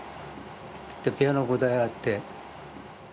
で、ピアノが５台あって。